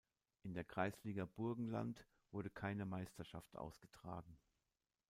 In der Kreisliga Burgenland wurde keine Meisterschaft ausgetragen.